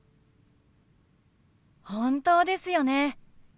本当ですよね。